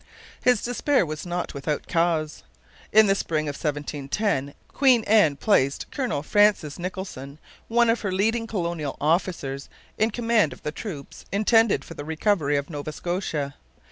His despair was not without cause. In the spring of 1710 Queen Anne placed Colonel Francis Nicholson, one of her leading colonial officers, in command of the troops intended for the recovery of Nova Scotia.